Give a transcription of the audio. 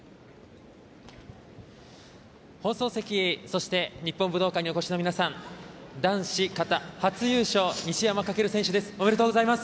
放送席、そして日本武道館にお越しの皆さん男子形初優勝、西山走選手です。